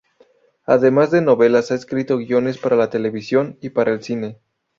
Además de novelas ha escrito guiones para la televisión y para el cine.